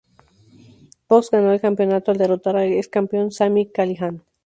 Fox ganó el campeonato al derrotar al ex-campeón Sami Callihan.